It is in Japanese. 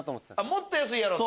もっと安いやろ！と。